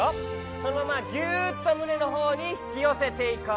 そのままギュッとむねのほうにひきよせていこう。